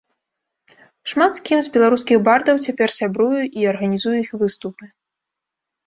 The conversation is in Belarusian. Шмат з кім з беларускіх бардаў цяпер сябрую і арганізую іх выступы.